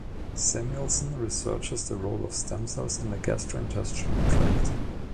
Samuelson researches the role of stem cells in the gastrointestinal tract.